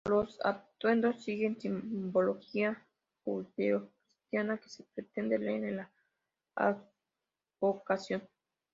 Los atuendos siguen la simbología judeo-cristiana que se pretende leer en la advocación.